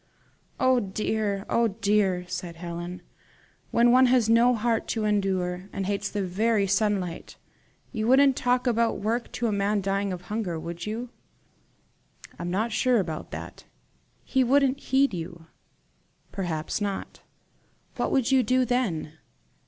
"Oh dear! oh dear!" sighed Helen "when one has no heart to endure, and hates the very sunlight! You wouldn't talk about work to a man dying of hunger, would you?" "I'm not sure about that." "He wouldn't heed you." "Perhaps not." "What would you do then?"